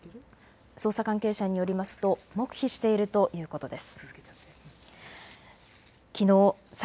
捜査関係者によりますと黙秘しているということです。